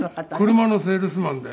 車のセールスマンで。